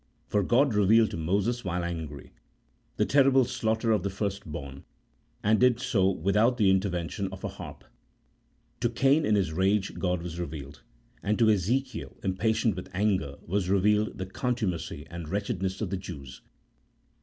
31 for God revealed to Moses while angry, the terrible slaughter of the firstborn, and did so without the interven tion of a harp. To Cain in his rage, God was revealed, and to Ezekiel, impatient with anger, was revealed the contumacy and wretchedness of the Jews.